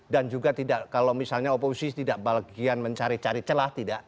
dan juga tidak kalau misalnya oposisi tidak bagian mencari cari celah tidak